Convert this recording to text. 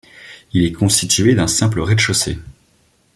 Il est constitué d'un simple rez-de-chaussée.